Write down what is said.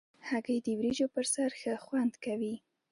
هګۍ د وریجو پر سر ښه خوند کوي.